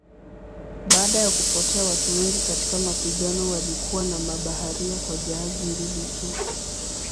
Baada ya kupotea watu wengi katika mapigano walikuwa na mabaharia kwa jahazi mbili tu.